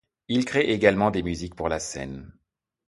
Il crée également des musiques pour la scène.